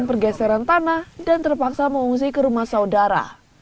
dan pergeseran tanah dan terpaksa mengungsi ke rumah saudara